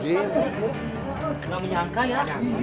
tidak menyangka ya